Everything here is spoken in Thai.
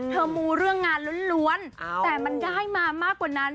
มูเรื่องงานล้วนแต่มันได้มามากกว่านั้น